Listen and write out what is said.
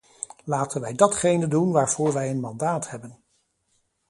Laten wij datgene doen waarvoor wij een mandaat hebben.